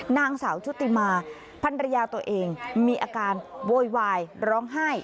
นางสาวชุติมาพันรยาตัวเองมีอาการโวยวายร้องไห้